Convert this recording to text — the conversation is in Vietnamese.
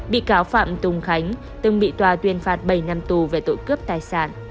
bị cáo phạm tùng khánh từng bị tòa tuyên phạt bảy năm tù về tội cướp tài sản